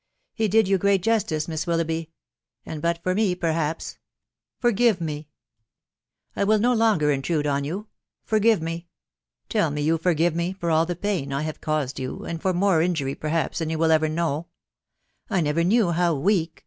He did you great justice, Miss Willoughby ;.... and, but for me, perhaps .... Forgive me !.... I will no longer intrude on you !— forgive me !— tell me you forgive me, for all the pain I have caused you, and for more injury, perhaps, than you will ever know i I never knew how weak